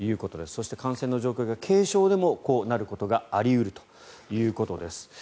そして、感染の状況が軽症でもこうなることがあり得るということです。